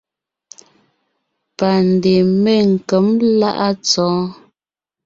Pandè Menkěm láʼa Tsɔɔ́n.